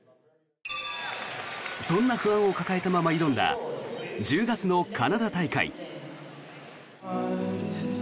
そんな不安を抱えたまま挑んだ１０月のカナダ大会。